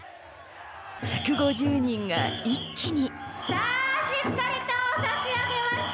１５０人が一気に。